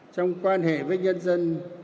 trong quan hệ với nhân dân